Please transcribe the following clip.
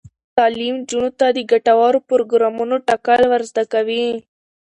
تعلیم نجونو ته د ګټورو پروګرامونو ټاکل ور زده کوي.